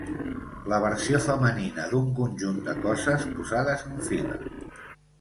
La versió femenina d'un conjunt de coses posades en fila.